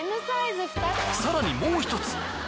さらにもうひとつ。